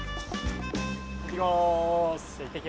行ってきます！